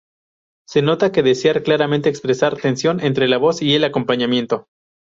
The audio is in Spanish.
Se nota que desear claramente expresar tensión entre la voz y el acompañamiento.